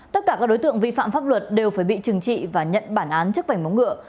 tất cả các đối tượng vi phạm pháp luật đều phải bị trừng trị và nhận bản án trước vảnh móng ngựa